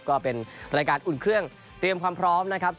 ก็เป็นรายการอุดเครื่องเตรียมความพร้อม